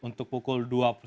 untuk pukul dua puluh satu